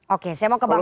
oke saya mau kembangkan